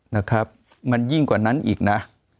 นะครับมันยิ่งกว่านั้นอีกนะ